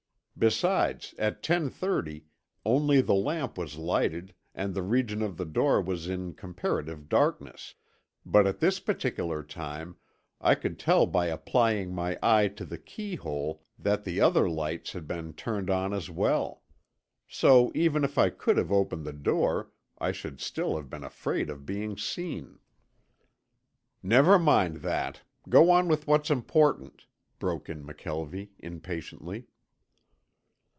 Besides at ten thirty only the lamp was lighted and the region of the door was in comparative darkness, but at this particular time I could tell by applying my eye to the key hole that the other lights had been turned on as well. So even if I could have opened the door I should still have been afraid of being seen." "Never mind that. Go on with what's important," broke in McKelvie, impatiently.